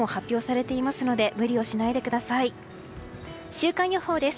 週間予報です。